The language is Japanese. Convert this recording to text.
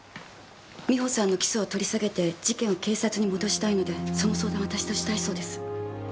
美穂さんの起訴を取り下げて事件を警察に戻したいのでその相談を私としたいそうです。